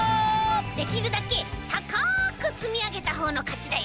できるだけたかくつみあげたほうのかちだよ。